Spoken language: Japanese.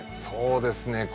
そうですね。